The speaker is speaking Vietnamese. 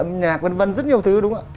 âm nhạc v v rất nhiều thứ đúng không ạ